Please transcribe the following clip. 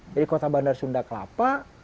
jadi kota bandar sunda kalapa